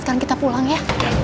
sekarang kita pulang ya